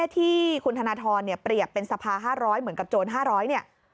ที่คุณธนทรเปรียบเป็นสภา๕๐๐เหมือนกับโจร๕๐๐เนี่ย